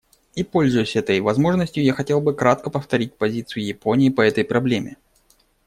И пользуясь этой возможностью, я хотел бы кратко повторить позицию Японии по этой проблеме.